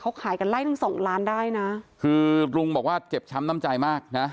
เขาขายกันไล่ตั้งสองล้านได้นะคือลุงบอกว่าเจ็บช้ำน้ำใจมากนะ